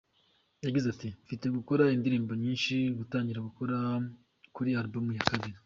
Yagize ati: "Mfite gukora indirimbo nyinshi, gutangira gukora kuri album ya kabiri.